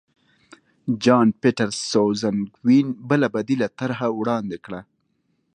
جان پیټرسزونکوین بله بدیله طرحه وړاندې کړه.